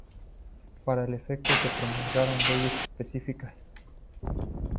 Para el efecto se promulgaron leyes específicas.